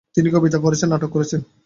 তিনি কবিতা পড়েছেন; নাটক করেছেন।